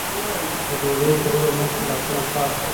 د ډوډۍ خوړلو مخکې لاسونه پاک کړئ.